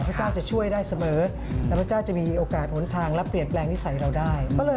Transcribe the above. พระเจ้าจะช่วยได้เสมอแล้วพระเจ้าจะมีโอกาสหนทางและเปลี่ยนแปลงนิสัยเราได้